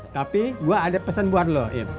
tapi gue ada pesen buat lo ib